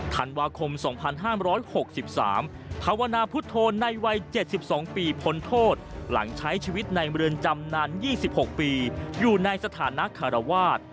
ธันวาคม๒๕๖๓ภาวนาพุทธโธในวัย๗๒ปีพ้นโทษหลังใช้ชีวิตในเรือนจำนาน๒๖ปีอยู่ในสถานะคารวาส